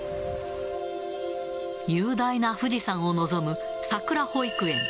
雄大な富士山を望むさくら保育園。